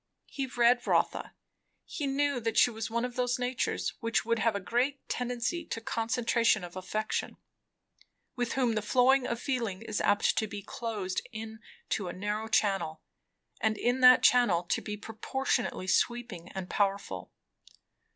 He read Rotha; he knew that she was one of those natures which have a great tendency to concentration of affection; with whom the flow of feeling is apt to be closed in to a narrow channel, and in that channel to be proportionately sweeping and powerful.